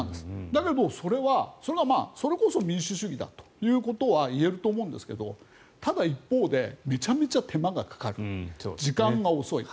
だけどそれこそ民主主義だということは言えると思うんですけどただ、一方でめちゃめちゃ手間がかかる時間が遅い。